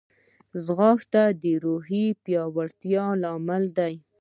ځغاسته د روحاني پیاوړتیا لامل دی